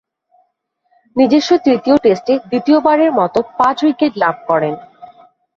নিজস্ব তৃতীয় টেস্টে দ্বিতীয়বারের মতো পাঁচ-উইকেট লাভ করেন।